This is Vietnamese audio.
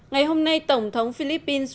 ngày hôm nay tổng thống philippines